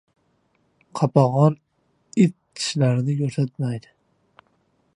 • Qopag‘on it tishlarini ko‘rsatmaydi.